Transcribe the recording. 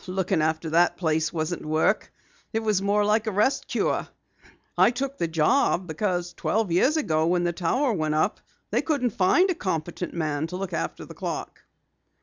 "Looking after that place wasn't work. It was more like a rest cure. I took the job because, twelve years ago when the tower went up, they couldn't find a competent man to look after the clock."